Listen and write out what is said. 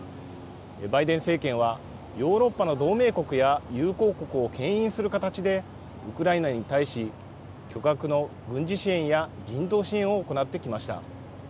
バイデン政権はヨーロッパの同盟国や友好国をけん引する形で、ウクライナに対し、巨額の軍事支援や人道支援を行ってきました。